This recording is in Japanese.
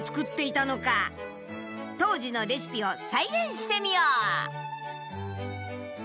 当時のレシピを再現してみよう！